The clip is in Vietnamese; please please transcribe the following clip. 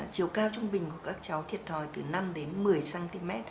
chiều cao trung bình của các cháu thiệt thòi từ năm đến một mươi cm